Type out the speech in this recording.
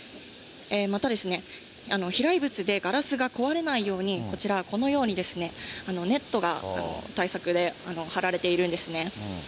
また、飛来物でガラスが壊れないように、こちら、このように、ネットが対策で張られているんですね。